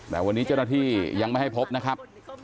แต่วันนี้เจ้าหน้าที่ยังไม่ให้พบนะครับ